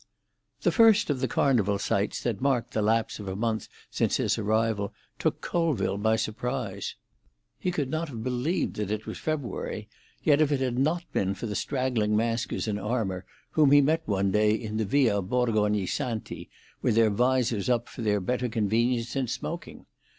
The first of the Carnival sights that marked the lapse of a month since his arrival took Colville by surprise. He could not have believed that it was February yet if it had not been for the straggling maskers in armour whom he met one day in Via Borgognissanti, with their visors up for their better convenience in smoking.